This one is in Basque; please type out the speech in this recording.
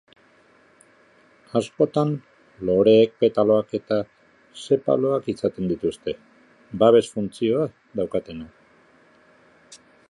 Askotan, loreek petaloak eta sepaloak izaten dituzte, babes funtzioa daukatenak.